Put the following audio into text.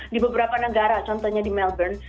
di beberapa negara contohnya di melbourne